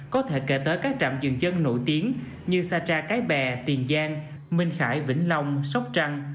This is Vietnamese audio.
có thể kể tới các trạm dường chân nổi tiếng như sa tra cái bè tiền giang minh khải vĩnh long sóc trăng